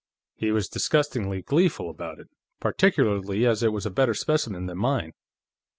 He was disgustingly gleeful about it, particularly as it was a better specimen than mine."